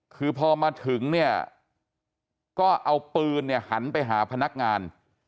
คือพอมาถึงก็เอาปืนหันไปหาพนักงาน